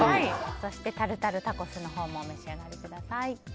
そしてタルタルタコスのほうもお召し上がりください。